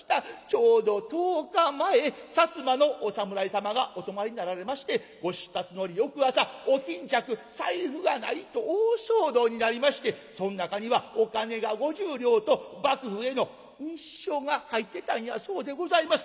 ちょうど１０日前摩のお侍様がお泊まりになられましてご出立の折翌朝お巾着財布がないと大騒動になりましてそん中にはお金が５０両と幕府への密書が入ってたんやそうでございます。